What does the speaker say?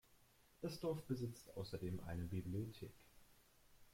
Das Dorf besitzt außerdem eine Bibliothek.